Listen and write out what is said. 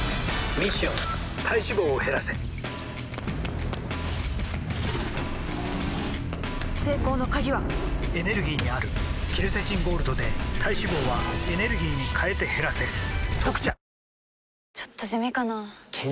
ミッション体脂肪を減らせ成功の鍵はエネルギーにあるケルセチンゴールドで体脂肪はエネルギーに変えて減らせ「特茶」